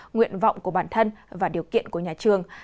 nguyện vọng của bản thân và điều kiện của nhà trường